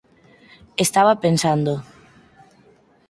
Estaba pensando.